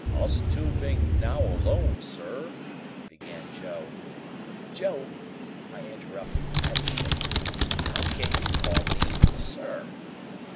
"Us two being now alone, sir,"—began Joe. "Joe," I interrupted, pettishly, "how can you call me, sir?"